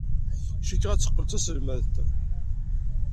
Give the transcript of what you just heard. Cikkeɣ ad teqqel d taselmadt.